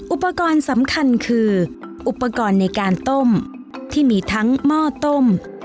อุปกรณ์สำคัญคืออุปกรณ์ในการต้มที่มีทั้งหม้อต้ม